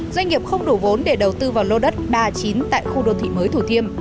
doanh nghiệp không đủ vốn để đầu tư vào lô đất ba mươi chín tại khu đô thị mới thủ thiêm